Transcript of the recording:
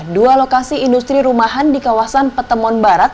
dua lokasi industri rumahan di kawasan petemon barat